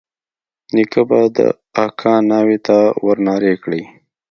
نيکه به د اکا ناوې ته ورنارې کړې.